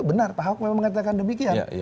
benar pak ahok memang mengatakan demikian